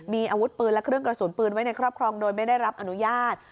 มีอาวุธปืนและเครื่องกระสุนปืนไว้ในครอบครองโดยไม่ได้รับอนุญาต